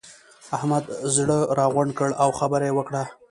احمد زړه راغونډ کړ؛ او خبره يې وکړه.